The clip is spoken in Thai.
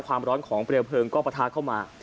ความร้อนของเปลวเพลิงก็ประทะเข้ามา